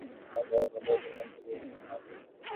আনন্দময়ী বলিয়া উঠিলেন, এসো ললিতা, মা এসো।